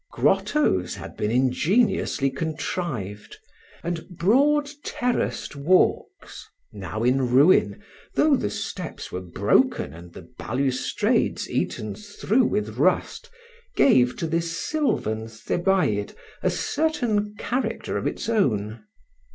Grottos had been ingeniously contrived; and broad terraced walks, now in ruin, though the steps were broken and the balustrades eaten through with rust, gave to this sylvan Thebaid a certain character of its own.